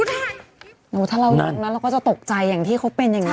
ถ้าเราอย่างนั้นเราก็จะตกใจอย่างที่เขาเป็นอย่างนี้